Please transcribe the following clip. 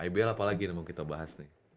aibiel apa lagi yang mau kita bahas nih